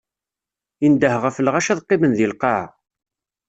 Indeh ɣef lɣaci ad qqimen di lqaɛa.